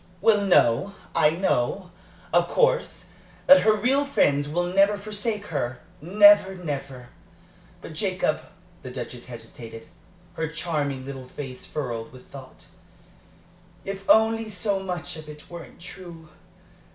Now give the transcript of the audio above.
"Well, no. I know, of course, that her real friends will never forsake her never, never! But, Jacob" the Duchess hesitated, her charming little face furrowed with thought "if only so much of it weren't true.